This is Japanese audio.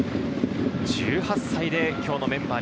１８歳で今日のメンバー